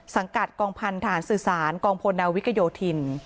สังกัดกองพันธารสื่อสารกองพลนาวิกโยธิน